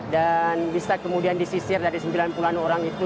dan bisa kemudian disisir dari sembilan puluh an orang itu